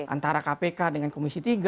antara kpk dengan komisi tiga